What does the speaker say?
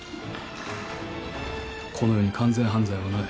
この世に完全犯罪はない。